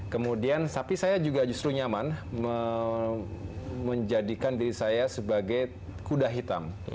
kemudian tapi saya juga justru nyaman menjadikan diri saya sebagai kuda hitam